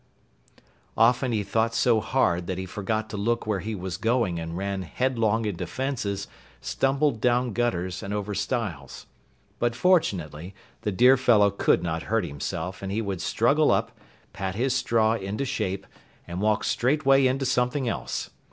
Often he thought so hard that he forgot to look where he was going and ran headlong into fences, stumbled down gutters, and over stiles. But fortunately, the dear fellow could not hurt himself, and he would struggle up, pat his straw into shape, and walk straightway into something else.